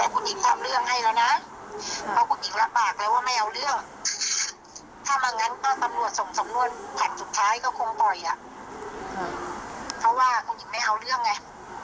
คุณผู้จริงไม่เอาเรื่องไง